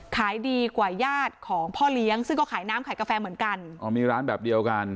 ขายดีกว่าญาติของพ่อเลี้ยงซึ่งก็ขายน้ำขายกาแฟเหมือนกันอ๋อมีร้านแบบเดียวกัน